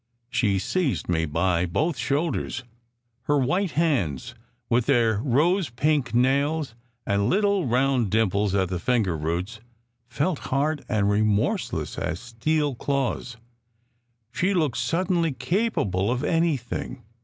She seized me by both shoulders. Her white hands, with their rose pink nails and little round dimples at the finger roots, felt hard and remorseless as steel claws. She looked suddenly capable of anything.